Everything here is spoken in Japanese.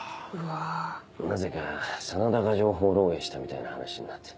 なぜか真田が情報漏洩したみたいな話になって。